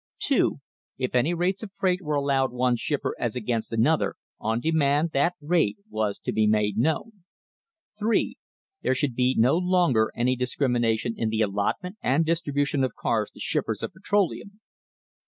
] 2. If any rates of freight were allowed one shipper as against another, on demand that rate was to be made known. 3. There should be no longer any discrimination in the allotment and distribution of cars to shippers of petroleum.